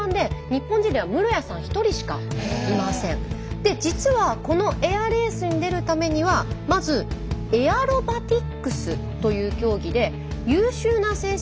⁉で実はこのエアレースに出るためにはまずエアロバティックスという競技で優秀な成績を収めないといけないんです。